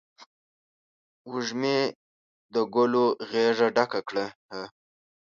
وږمې د ګلو غیږه ډکه کړله